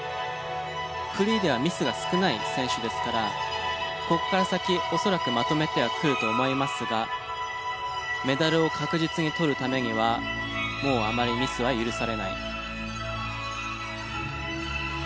フリーではミスが少ない選手ですからここから先恐らくまとめてはくると思いますがメダルを確実にとるためにはもうあまりミスは許されない。